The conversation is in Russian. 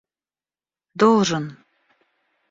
должен